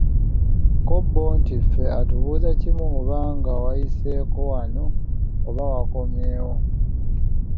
Ko bo nti ffe atubuuza kimu oba nga wayiseeko wano, oba wakomyewo.